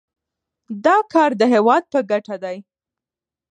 دا کار د هیواد په ګټه دی.